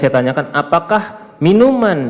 saya tanyakan apakah minuman